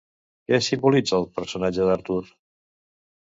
Què simbolitza el personatge d'Artur?